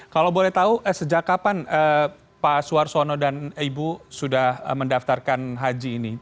kalau boleh tahu sejak kapan pak suarsono dan ibu sudah mendaftarkan haji ini